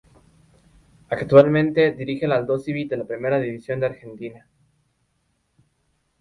Actualmente dirige al Aldosivi de la Primera División de Argentina.